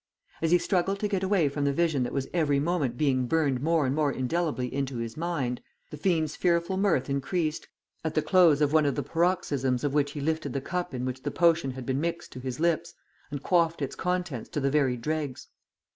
As he struggled to get away from the vision that was every moment being burned more and more indelibly into his mind, the fiend's fearful mirth increased, at the close of one of the paroxysms of which he lifted the cup in which the potion had been mixed to his lips, and quaffed its contents to the very dregs.